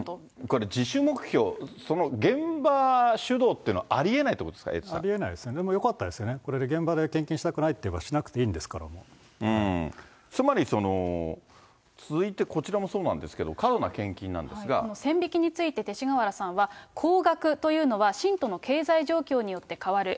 これ自主目標、その現場主導っていうのはありえないということですか、エイトさありえないですよね、でもよかったですよね、これで現場で献金したくないと言えばしなくていつまり、続いてこちらもそうなんですけど、その線引きについて、勅使河原さんは、高額というのは信徒の経済状況によって変わる。